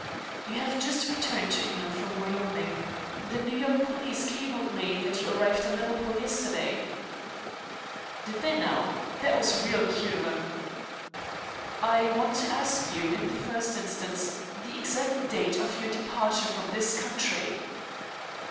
"You have just returned to England from Wyoming. The New York police cabled me that you arrived in Liverpool yesterday." "Did they now? That was real cute of 'em." "I want to ask you, in the first instance, the exact date of your departure from this country."